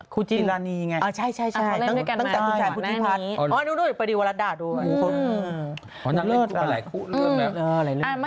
คู่จินหนูได้เลยนะ